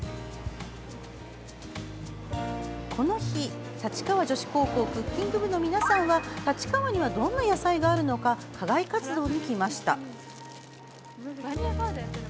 この日、立川女子高校クッキング部の皆さんは立川にはどんな野菜があるのか課外活動に来ました。